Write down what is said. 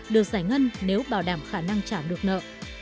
được giải ngân nếu bảo đảm khả năng trả được nợ